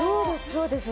そうです